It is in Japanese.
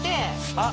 あっ！